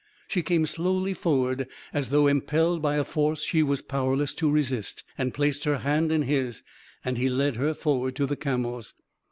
She came slowly forward, as though impelled by a force she was powerless to resist, and placed her hand in his ; and he led her forward to the camels.